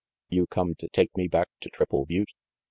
You come to take me back to Triple Butte?"